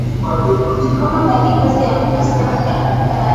mkono kwenye kazi ya maslahi ya Marekani